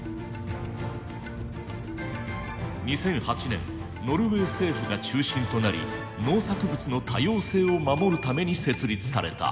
２００８年ノルウェー政府が中心となり農作物の多様性を守るために設立された。